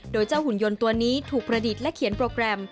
โดยเจ้าหุ่นยนต์ตัวนี้ถูกประดิษฐ์และเขียนโปรแกรม